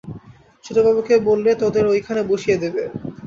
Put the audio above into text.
ছোটবাবুকে বললে তোদের ওইখানে বসিয়ে দেবে।